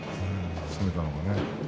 攻めたのがね。